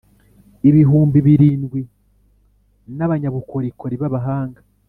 ibihumbi birindwi n abanyabukorikori b abahanga